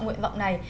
nguyện vọng này